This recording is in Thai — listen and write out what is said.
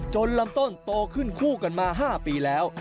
ลำต้นโตขึ้นคู่กันมา๕ปีแล้ว